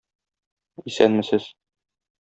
Исәнмесез.